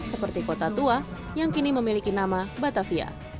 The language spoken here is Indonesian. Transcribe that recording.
seperti kota tua yang kini memiliki nama batavia